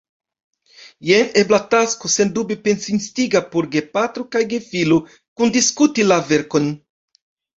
Jen ebla tasko, sendube pens-instiga, por gepatro kaj gefilo: kundiskuti la verkon.